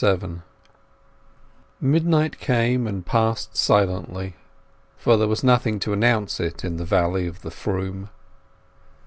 XXXVII Midnight came and passed silently, for there was nothing to announce it in the Valley of the Froom.